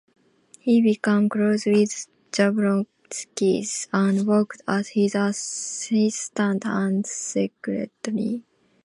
He became close with Jablonskis and worked as his assistant and secretary.